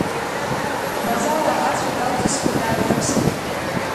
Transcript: Базала ацәа далҵызшәа дааҭрысит.